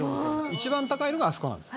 「一番高いのがあそこなの」